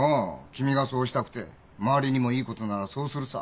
君がそうしたくて周りにもいいことならそうするさ。